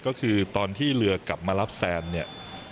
ก็คือตอนที่เรือกลับมารับแซนเนี่ย